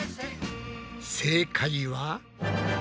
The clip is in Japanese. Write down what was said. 正解は？